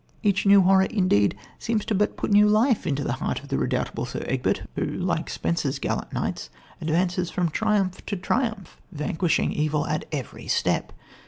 Each new horror indeed seems but to put new life into the heart of the redoubtable Sir Egbert, who, like Spenser's gallant knights, advances from triumph to triumph vanquishing evil at every step.